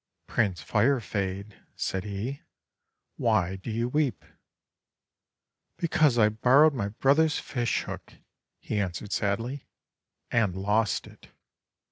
"Prince Firefade," said he, "why do you weep?' "Because I borrowed my brother's fish hook," he answered sadly, "and lost it.